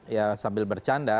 ya sambil bercanda